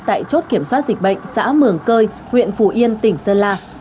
tại chốt kiểm soát dịch bệnh xã mường cơi huyện phủ yên tỉnh sơn la